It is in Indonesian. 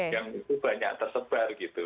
yang itu banyak tersebar gitu